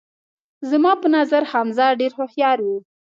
زما په نظر حمزه ډیر هوښیار وو